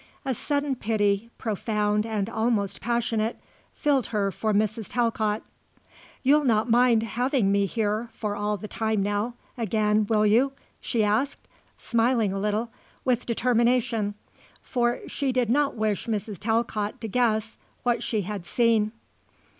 A sudden pity, profound and almost passionate, filled her for Mrs. Talcott. "You'll not mind having me here for all the time now again, will you?" she asked, smiling a little, with determination, for she did not wish Mrs. Talcott to guess what she had seen.